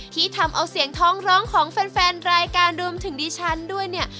ที่ทำเอาเสียงท้องร้องของแฟนรายการรวมถึงดิฉันด้วยเนี่ย